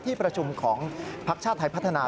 ที่ประชุมของพักชาติไทยพัฒนา